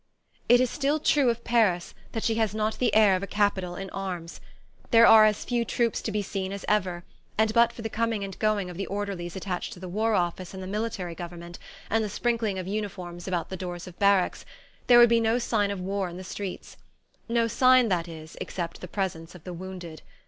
It is still true of Paris that she has not the air of a capital in arms. There are as few troops to be seen as ever, and but for the coming and going of the orderlies attached to the War Office and the Military Government, and the sprinkling of uniforms about the doors of barracks, there would be no sign of war in the streets no sign, that is, except the presence of the wounded.